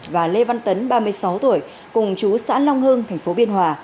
và lê văn tấn ba mươi sáu tuổi cùng chú sãn long hưng tp biên hòa